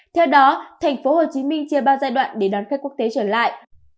theo đó tp hcm chia ba giai đoạn để đón khách quốc tế trở lại